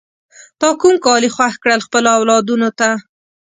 تا کوم کالی خوښ کړل خپلو اولادونو ته؟